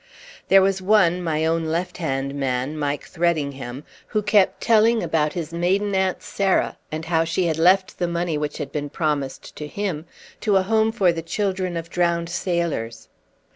There was one, my own left hand man, Mike Threadingham, who kept telling about his maiden aunt, Sarah, and how she had left the money which had been promised to him to a home for the children of drowned sailors.